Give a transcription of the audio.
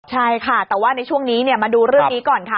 ใช่ค่ะแต่ว่าในช่วงนี้มาดูเรื่องนี้ก่อนค่ะ